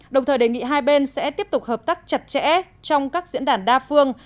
đồng thời đề nghị hai bên sẽ tiếp tục hợp tác chặt chẽ trong các diễn đàn đa phương